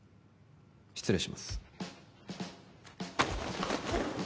失礼します